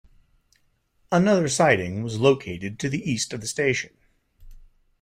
Another siding was located to the east of the station.